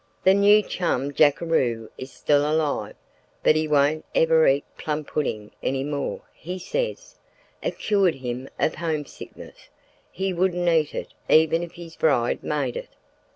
The new chum jackaroo is still alive, but he won't ever eat plum pudding any more, he says. It cured him of homesickness. He wouldn't eat it even if his bride made it.